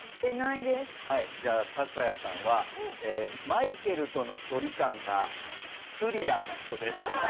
はいじゃあタカヤさんはマイケルとの距離感がスリラーな人です。